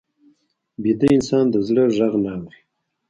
ویده انسان د زړه غږ نه اوري